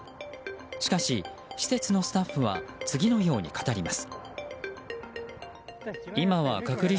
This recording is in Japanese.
しかし、施設のスタッフは次のように語ります。